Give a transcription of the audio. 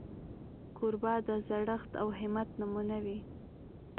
کوربه د زړښت او همت نمونه وي.